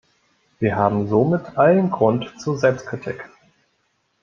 Wir haben somit allen Grund zur Selbstkritik.